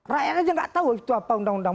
rakyat aja nggak tahu itu apa undang undang